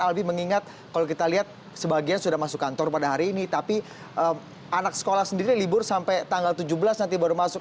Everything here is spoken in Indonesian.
albi mengingat kalau kita lihat sebagian sudah masuk kantor pada hari ini tapi anak sekolah sendiri libur sampai tanggal tujuh belas nanti baru masuk